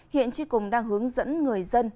hiện tri cùng đang hướng dẫn người dân